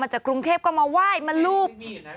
มาจากกรุงเทพก็มาว่ายมาลูบ